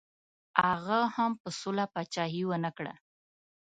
هغه هم په سوله پاچهي ونه کړه.